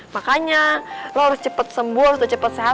makanya lo harus cepet sembur harus cepet sehat